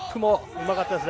うまかったです。